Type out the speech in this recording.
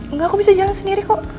enggak aku bisa jalan sendiri kok